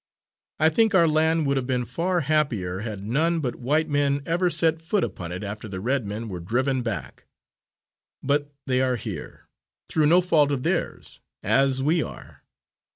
I think our land would have been far happier had none but white men ever set foot upon it after the red men were driven back. But they are here, through no fault of theirs, as we are.